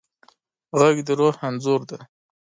غږ د روح انځور دی